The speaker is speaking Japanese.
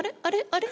あれ？